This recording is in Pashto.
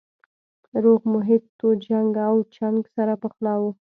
روغ محیط و جنګ او چنګ سره پخلا وو